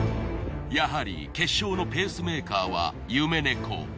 やはり決勝のペースメーカーは夢猫。